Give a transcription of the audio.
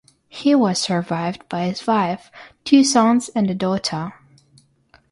He was survived by his wife, two sons and a daughter.